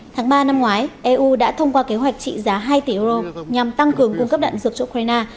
tháng ba năm ngoái eu đã thông qua kế hoạch trị giá hai tỷ euro nhằm tăng cường cung cấp đạn dược cho ukraine